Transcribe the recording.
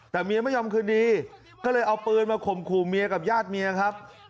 แต่เมียไม่ยอมคืนดีก็เลยเอาปืนมาข่มขู่เมียกับญาติเมียครับ